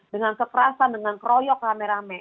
dengan kekerasan dengan keroyok rame rame